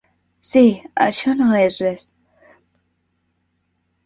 Sí, això no és res.